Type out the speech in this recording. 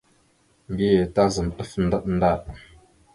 Mbiyez tazam ɗaf ndaɗ ndaɗ.